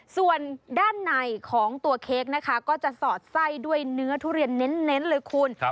ส่วนด้านในของตัวเค้กนะคะก็จะสอดไส้ด้วยเนื้อทุเรียนเน้นเลยคุณ